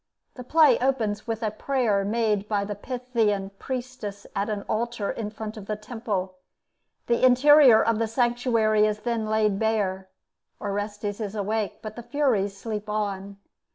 The play opens with a prayer made by the Pythian priestess at an altar in front of the temple. The interior of the sanctuary is then laid bare. Orestes is awake, but the Furies sleep on.